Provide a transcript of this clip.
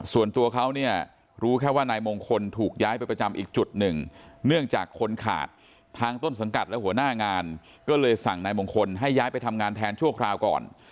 ส่วนตัวเขาเนี่ยรู้แค่ว่านายมงคลถูกย้ายไปประจำอีกจุดหนึ่งเนื่องจากคนขาดทางต้นสังกัดและหัวหน้างานก็เลยสั่งนายมงคลให้ย้ายไปทำงานแทนชั่วคราวก่อน